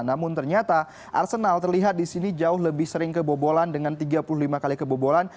namun ternyata arsenal terlihat di sini jauh lebih sering kebobolan dengan tiga puluh lima kali kebobolan